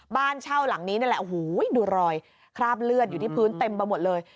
บ้านเช่าหลังนี้นั่นแหละโอ้โหดูรอยคราบเลือดอยู่ที่พื้นเต็มไปหมดเลย